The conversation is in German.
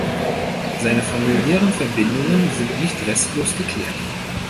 Seine familiären Verbindungen sind nicht restlos geklärt.